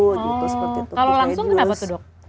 kalau langsung kenapa tuh dok